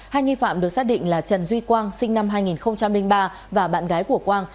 hai nghi phạm được xác định là trần duy quang sinh năm hai nghìn ba và bạn gái của quang